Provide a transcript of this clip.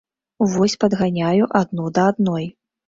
Вось падганяю адну да адной.